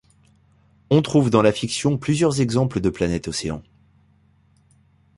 On trouve dans la fiction plusieurs exemples de planètes océan.